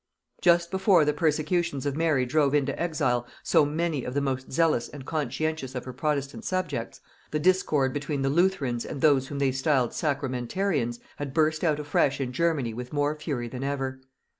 Just before the persecutions of Mary drove into exile so many of the most zealous and conscientious of her protestant subjects, the discord between the Lutherans and those whom they styled Sacramentarians had burst out afresh in Germany with more fury than ever.